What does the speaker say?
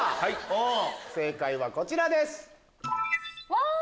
正解はこちらです。